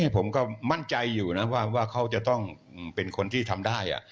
ผมก็มั่นใจอยู่นะว่าเขาจะต้องเป็นคนที่ทำได้